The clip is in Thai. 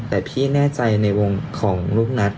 แต่พี่แน่ใจในวงของลูกนัท